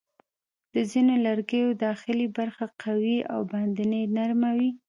د ځینو لرګیو داخلي برخه قوي او باندنۍ نرمه وي.